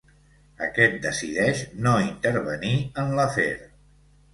Aquest decideix no intervenir en l'afer.